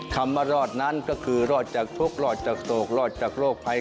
คำว่ารอดนั้นก็คือรอดจากทุกข์รอดจากโศกรอดจากโรคภัย